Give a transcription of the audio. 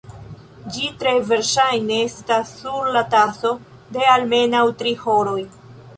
Ĝi tre verŝajne estas sur la taso de almenaŭ tri horoj.